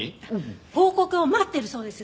報告を待ってるそうです。